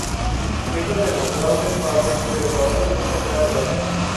Estas demostraron ser falsas, pero la orden nunca fue anulada.